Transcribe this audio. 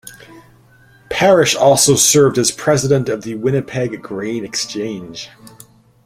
Parrish also served as president of the Winnipeg Grain Exchange.